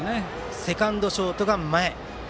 セカンド、ショートが前。